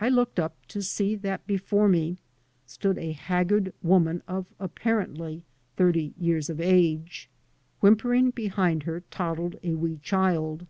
I looked up to see that before me stood a haggard woman of, apparently, thirty years of age. Whim pering behind her toddled a wee child.